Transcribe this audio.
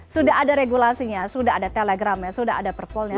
sudah ada regulasinya sudah ada telegramnya sudah ada perpolnya